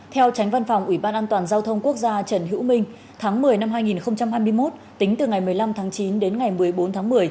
theo tránh văn phòng ủy ban an toàn giao thông quốc gia trần hữu minh tháng một mươi năm hai nghìn hai mươi một tính từ ngày một mươi năm tháng chín đến ngày một mươi bốn tháng một mươi